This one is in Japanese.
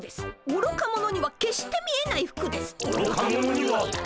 おろか者には決して見えない？